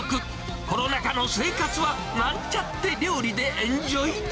コロナ禍の生活はなんちゃって料理でエンジョイだ。